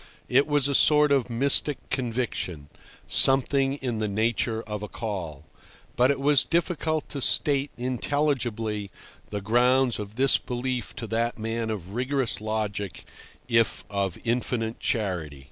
It was a sort of mystic conviction—something in the nature of a call. But it was difficult to state intelligibly the grounds of this belief to that man of rigorous logic, if of infinite charity.